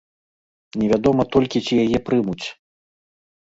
Невядома толькі ці яе прымуць.